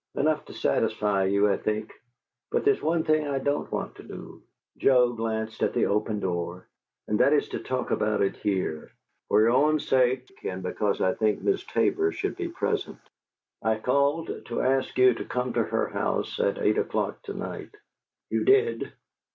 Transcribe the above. "Enough to satisfy you, I think. But there's one thing I don't want to do" Joe glanced at the open door "and that is to talk about it here for your own sake and because I think Miss Tabor should be present. I called to ask you to come to her house at eight o'clock to night." "You did!"